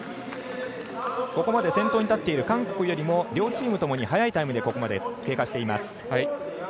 ここまで先頭に立っている韓国よりも両チームともに早いタイムでここまできています。